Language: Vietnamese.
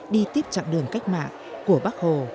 đi tiếp chặng đường cách mạng của bắc hồ